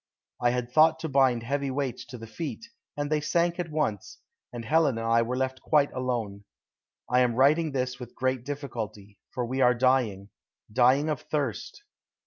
I had thought to bind heavy weights to the feet, and they sank at once, and Helen and I were left quite alone. I am writing this with great difficulty, for we are dying dying of thirst.